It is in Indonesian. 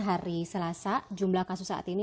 hari selasa jumlah kasus saat ini